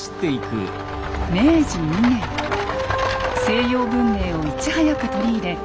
西洋文明をいち早く取り入れ